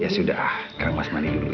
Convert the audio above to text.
ya sudah kang mas mandi dulu ya